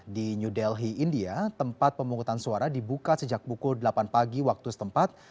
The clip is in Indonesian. di new delhi india tempat pemungutan suara dibuka sejak pukul delapan pagi waktu setempat